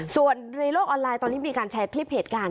ส่วนในโลกออนไลน์ตอนนี้มีการแชร์คลิปเหตุการณ์